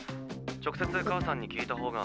直接母さんに聞いた方が。